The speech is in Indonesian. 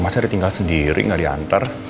masa dia tinggal sendiri enggak diantar